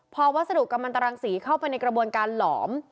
พอวัสดุกำลังตรังสีเข้าไปในกระบวนการหลอม